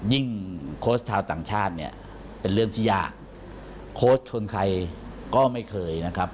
โค้ชชาวต่างชาติเนี่ยเป็นเรื่องที่ยากโค้ชชนใครก็ไม่เคยนะครับ